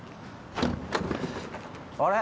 あれ？